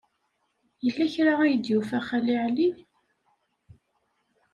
Yella kra ay d-yufa Xali Ɛli?